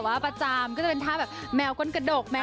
กับเพลงที่มีชื่อว่ากี่รอบก็ได้